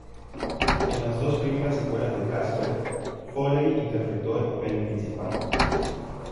En las dos primeras secuelas de "Casper", Foley interpretó el papel principal.